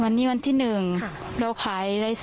ความปลอดภัยของนายอภิรักษ์และครอบครัวด้วยซ้ำ